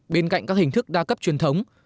bên cạnh các hình thức đa cấp truyền thống